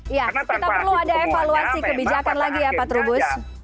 iya kita perlu ada evaluasi kebijakan lagi ya pak trubus